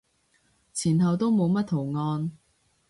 前後都冇乜圖案